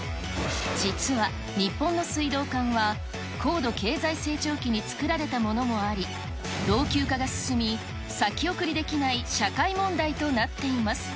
実は日本の水道管は高度経済成長期に作られたものもあり、老朽化が進み、先送りできない社会問題となっています。